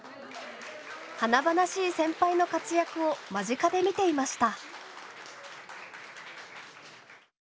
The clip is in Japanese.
華々しい先輩の活躍を間近で見ていました。